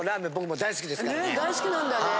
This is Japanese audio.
大好きなんだね。